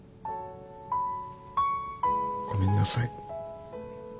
ごめんなさい。